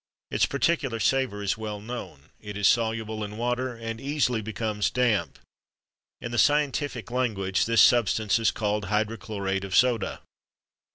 Its particular savour is well known; it is soluble in water, and easily becomes damp. In the scientific language, this substance is called hydrochlorate of soda.